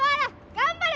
頑張れ！